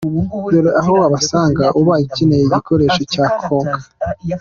Dore aho wabasanga ubaye ukeneye igikoresho cya Konka.